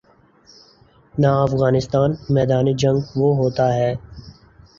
نہ افغانستان میدان جنگ وہ ہوتا ہے۔